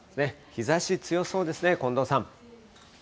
日ざし強そうですね、近藤さん。